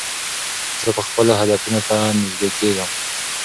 زه خپلو هدفونو ته نژدې کېږم.